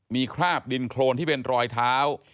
มีคราบดินโครนที่เป็นรอยเท้า